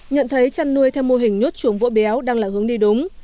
nhận thấy chăn nuôi theo mô hình nhốt chuồng vỗ béo đang là hướng đi đúng